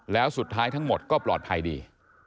แล้วสุดท้ายทั้งหมดก็ปลอดภัยดี